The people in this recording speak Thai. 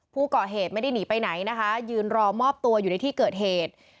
ผู้ก่อเหตุไม่ได้หนีไปไหนนะคะยืนรอมอบตัวอยู่ในที่เกิดเหตุ